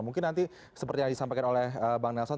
mungkin nanti seperti yang disampaikan oleh bang nelson